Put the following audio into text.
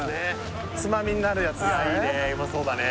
つまみになるやつですねいやいいねうまそうだね